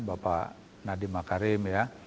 bapak nadiem makarim